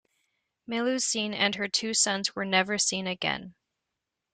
Melusine and her two sons were never seen again.